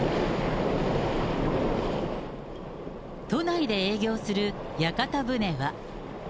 都内で営業する屋形船は。